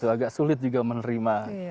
agak sulit juga menerima